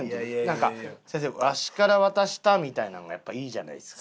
なんか先生わしから渡したみたいなんがやっぱいいじゃないですか。